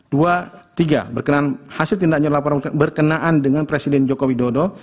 dua tiga berkenaan hasil tindak lanjut laporan berkenaan dengan presiden jokowi dodo